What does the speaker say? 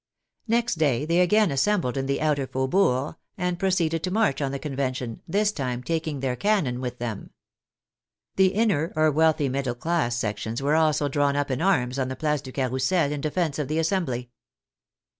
Next day they again assembled in the outer faubourgs and proceeded to march on the Convention, this time tak ing their cannon with them. The inner or wealthy mid dle class sections were also drawn up in arms on the Place du Carrousel in defence of the Assembly.